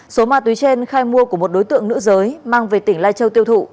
số ma túy trên khai mua của một đối tượng nữ giới mang về tỉnh lai châu tiêu thụ